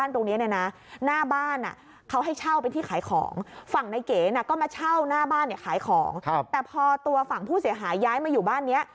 แต่พอตัวฝั่งผู้เสียหายย้ายมาอยู่บ้านนี้